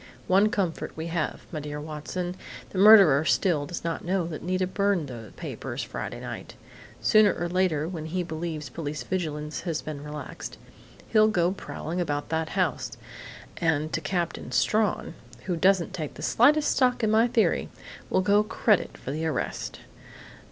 One comfort we have, 'my dear Watson': the murderer still does not know that Nita burned the papers Friday night. Sooner or later, when he believes police vigilance has been relaxed, he'll go prowling about that house, and to Captain Strawn, who doesn't take the slightest stock in my theory, will go credit for the arrest....